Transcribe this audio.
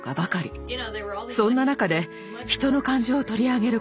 そんな中で人の感情を取り上げる